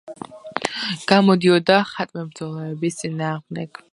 გამოდიოდა ხატმებრძოლეობის წინააღმდეგ.